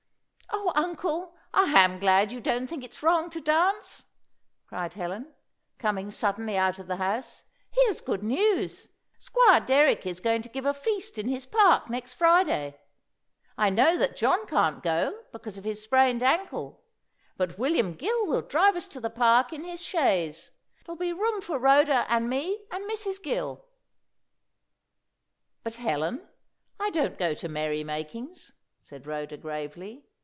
"O Uncle, I am glad you don't think it's wrong to dance!" cried Helen, coming suddenly out of the house. "Here's good news! Squire Derrick is going to give a feast in his park next Friday. I know that John can't go, because of his sprained ankle; but William Gill will drive us to the park in his chaise. There'll be room for Rhoda and me and Mrs. Gill." "But, Helen, I don't go to merry makings," said Rhoda, gravely.